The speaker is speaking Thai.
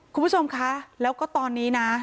คุณผู้ชมคะแล้วก็ตอนนี้นะ